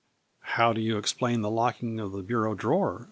" How do you explain the locking of the bureau drawer?